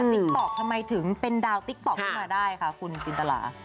ติ๊กต๊อกทำไมถึงเป็นดาวติ๊กต๊อกขึ้นมาได้ค่ะคุณจินตรา